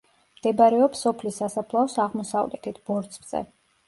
მდებარეობს სოფლის სასაფლაოს აღმოსავლეთით, ბორცვზე.